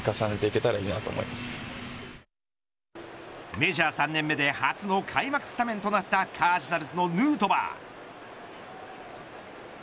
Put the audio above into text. メジャー３年目で初の開幕スタメンとなったカージナルスのヌートバー。